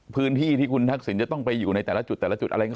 พื้นที่ที่คุณทักษิณจะต้องไปอยู่ในแต่ละจุดแต่ละจุดอะไร